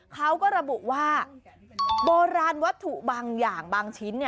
เขาก็ระบุว่าโบราณวัตถุบางอย่างบางชิ้น